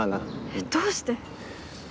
えっどうして？